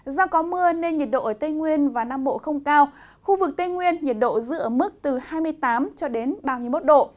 do có mưa nên nhiệt độ ở tây nguyên và nam bộ không cao khu vực tây nguyên nhiệt độ giữ ở mức từ hai mươi tám cho đến ba mươi một độ